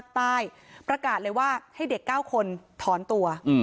รักษามัญแหล่งผู้หญิงฐานในภาคใต้ประกาศเลยว่าให้เด็ก๙คนถอนตัว